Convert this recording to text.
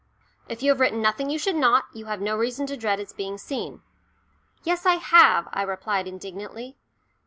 "If you have written nothing you should not, you have no reason to dread its being seen." "Yes, I have," I replied indignantly.